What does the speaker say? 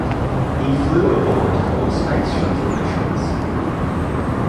He flew aboard four Space Shuttle missions.